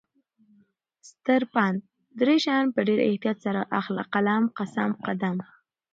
ستر پند: دری شیان په ډیر احتیاط سره اخله: قلم ، قسم، قدم